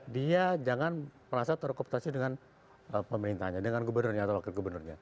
dia jangan pernah terkomputasi dengan pemerintahnya dengan gubernurnya atau lakir gubernurnya